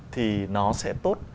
thì nó sẽ tốt